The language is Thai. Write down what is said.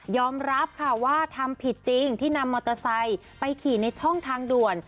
รับค่ะว่าทำผิดจริงที่นำมอเตอร์ไซค์ไปขี่ในช่องทางด่วน